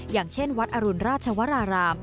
อย่างเช่นวัดอรุณราชวราราม